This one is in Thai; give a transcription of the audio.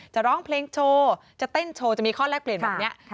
จะร้องเพลงโชว์จะเต้นโชว์จะมีข้อแลกเปลี่ยนแบบนี้